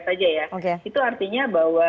saja ya itu artinya bahwa